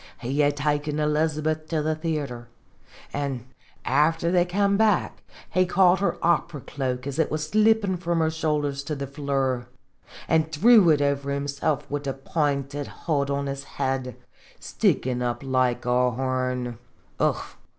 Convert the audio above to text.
He had taken Miss Elizabeth to the theatre ; an* after they kem back, he caught her opera cloak, as it was slippin' from her shoulders to the floor, an' threw it over himsilf wid the pinted hood on his head, stickin' up like a horn. Ugh